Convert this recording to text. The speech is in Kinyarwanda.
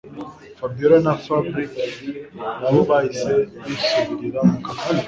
Fabiora na Fabric nabo bahise bisubirira mukazi